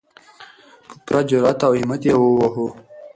په پوره جرئت او همت یې ووهو.